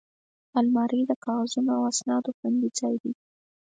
الماري د کاغذونو او اسنادو خوندي ځای دی